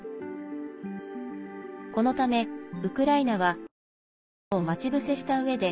このため、ウクライナは戦車などを待ち伏せしたうえで